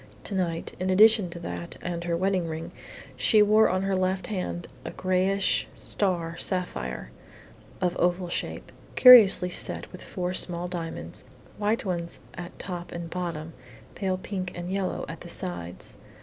To night, in addition to that and her wedding ring, she wore on her left hand a grayish star sapphire, of oval shape, curiously set with four small diamonds, white ones at top and bottom, pale pink and yellow at the sides.